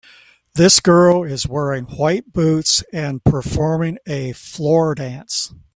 This girl is wearing white boots and performing a floor dance